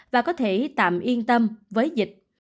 và có thể tạm yên tâm với dịch